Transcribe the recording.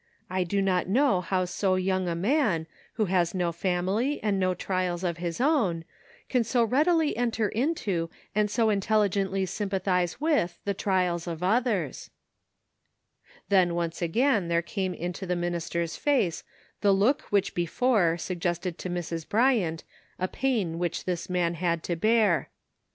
''I do not know how so young a man, who has no family and no trials of his own, can so readily enter into and so intelligently sympathize with the trials of others.". Then once again there came into the minis ter's face the look which had before suggested CONFLICTING ADVICE. 203 10 Mrs. Bryant a pain which this man had to bear.